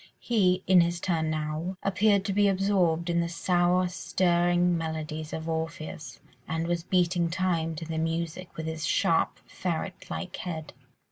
He, in his turn now, appeared to be absorbed in the soul stirring melodies of Orpheus, and was beating time to the music with his sharp, ferret like head.